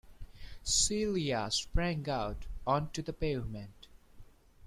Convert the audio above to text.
Celia sprang out on to the pavement.